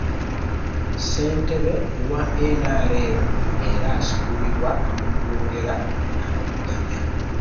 Ssentebe wa NRM era asuubirwa okwogera n'abavuganya.